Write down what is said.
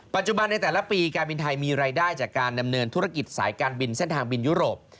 ในแต่ละปีการบินไทยมีรายได้จากการดำเนินธุรกิจสายการบินเส้นทางบินยุโรป